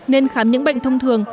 nên khám những bệnh thông thường